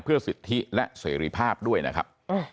เพื่อสิทธิและเสรีภาพด้วยนะครับ